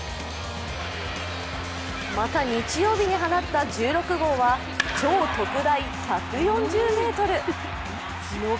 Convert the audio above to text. また日曜日に放った１６号は超特大１４０ｍ。